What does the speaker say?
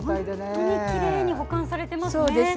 本当にきれいに保管されていますね。